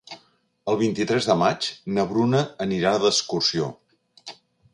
El vint-i-tres de maig na Bruna anirà d'excursió.